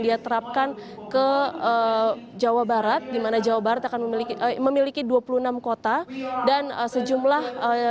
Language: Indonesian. dia terapkan ke jawa barat dimana jawa barat akan memiliki dua puluh enam kota dan sejumlah